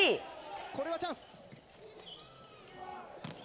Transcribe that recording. これはチャンス。